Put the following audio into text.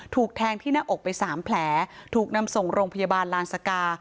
ถูกแทงที่หน้าอกไปสามแผลถูกนำส่งโรงพยาบาลลานสกา